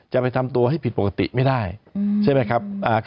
จะไปทำตัวให้ผิดปกติไม่ได้ใช่ไหมครับ